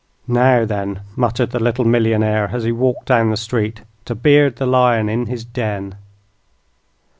"Now, then," muttered the little millionaire, as he walked down the street, "to beard the lion in his den."